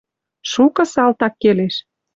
Шукы салтак келеш.